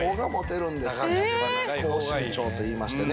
高身長と言いましてね。